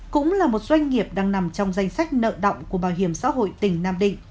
cũng là một doanh nghiệp đang nằm trong danh sách nợ động của bảo hiểm xã hội tỉnh nam định